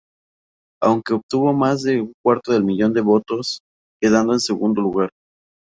Aunque obtuvo más de un cuarto de millón de votos, quedando en segundo lugar.